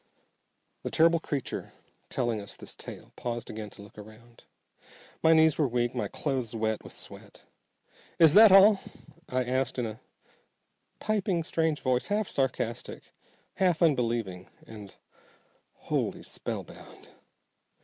The terrible creature telling us this tale paused again to look around. My knees were weak, my clothes wet with sweat. "Is that all?" I asked in a piping, strange voice, half sarcastic, half unbelieving, and wholly spellbound.